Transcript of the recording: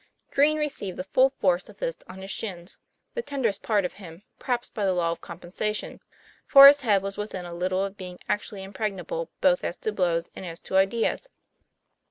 Green received the full force of this on his shins the tenderest part of him, perhaps, by the law of com* pensation; for his head was within a little of being actually impregnable both as to blows and as to ideas.